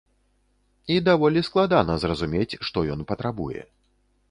І даволі складана зразумець, што ён патрабуе.